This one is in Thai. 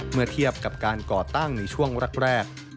เมื่อเทียบกับการก่อตั้งในช่วงแรก